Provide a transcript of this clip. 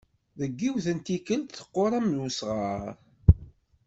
Deg yiwet n tikelt teqqur am usɣar.